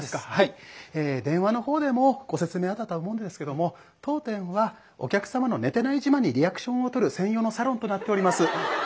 電話の方でもご説明あったとは思うんですけども当店はお客様の寝てない自慢にリアクションをとる専用のサロンとなっております。